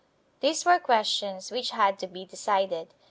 These were questions which had to be decided.